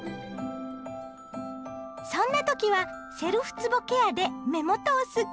そんな時はセルフつぼケアで目元をスッキリ！